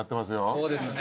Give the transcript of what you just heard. そうですね